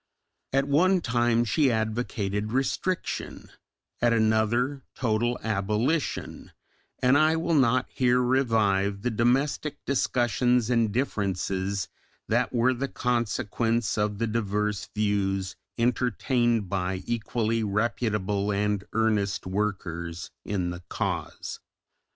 At one time she advocated restriction, at another total abolition, and I will not here revive the domestic discussions and differences that were the consequence of the diverse views entertained by equally reputable and earnest workers in the cause.